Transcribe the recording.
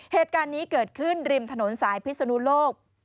เหตุการณ์นี้เกิดขึ้นริมถนนสายพิศนุโลก